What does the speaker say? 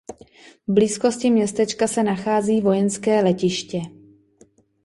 V blízkosti městečka se nachází vojenské letiště.